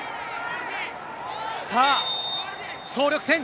さあ、総力戦。